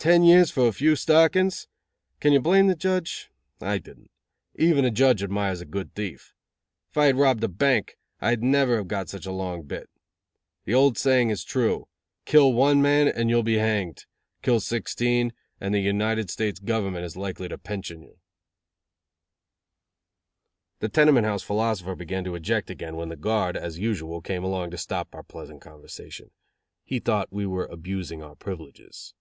Ten years for a few stockings! Can you blame the judge? I didn't. Even a judge admires a good thief. If I had robbed a bank I'd never have got such a long bit. The old saying is true: Kill one man and you will be hanged. Kill sixteen, and the United States Government is likely to pension you." The tenement house philosopher began to object again, when the guard, as usual, came along to stop our pleasant conversation. He thought we were abusing our privileges.